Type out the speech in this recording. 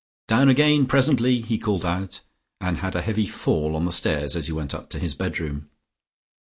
"Down again presently," he called out, and had a heavy fall on the stairs, as he went up to his bedroom.